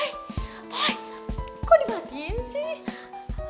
boy kok dimatiin sih